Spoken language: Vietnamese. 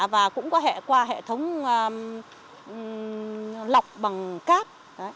và cũng có hệ qua hệ thống lọc bằng cát